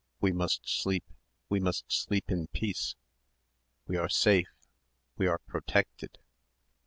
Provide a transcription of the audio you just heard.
we must sleep ... we must sleep in peace ... we are safe ... we are protected